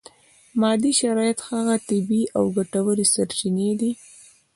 مادي شرایط هغه طبیعي او ګټورې سرچینې دي.